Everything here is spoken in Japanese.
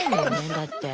だって。